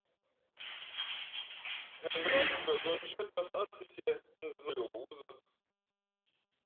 Ghen njᾱᾱ pʉα zǒ ndʉ̄ᾱ tᾱ nsάʼ sisiē nzᾱ yo wúzᾱ.